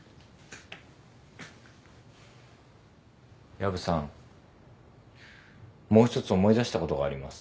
薮さんもう一つ思い出したことがあります。